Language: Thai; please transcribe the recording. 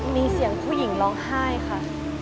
มีเสียงผู้หญิงร้องไห้ค่ะ